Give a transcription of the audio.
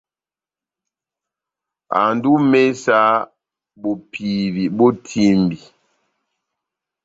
Ando ó imésa bopivi bó etímbi.